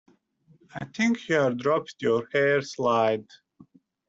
I think you’ve dropped your hair slide